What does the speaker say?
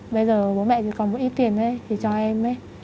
bây giờ bố mẹ thì còn một ít tiền ấy thì cho em ấy